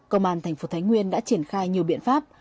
công an thành phố thái nguyên đã triển khai nhiều biện pháp